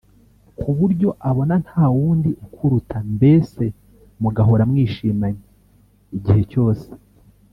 ku buryo abona nta wundi ukuruta mbese mu gahora mwishimanye igihe cyose